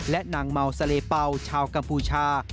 และนางเมาซาเลเป่าชาวกัมพูชา